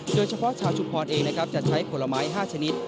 โดยเฉพาะชาวชุมพรเองนะครับจะใช้ผลไม้๕ชนิด